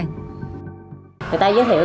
người ta giới thiệu